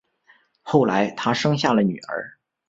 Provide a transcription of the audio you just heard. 后来他生下了女儿